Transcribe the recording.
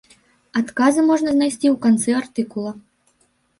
Адказы можна знайсці ў канцы артыкула.